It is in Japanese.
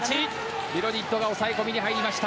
ビロディッドが抑え込みに入りました。